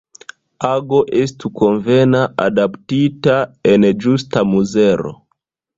Ago estu konvene adaptita, en ĝusta mezuro.